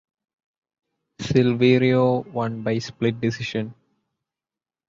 Silverio won by split decision.